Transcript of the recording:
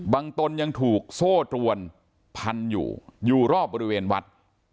ตนยังถูกโซ่ตรวนพันอยู่อยู่รอบบริเวณวัด